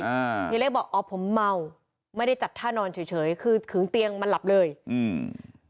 เฮียเล็กบอกอ๋อผมเมาไม่ได้จัดท่านอนเฉยเฉยคือถึงเตียงมันหลับเลยอืม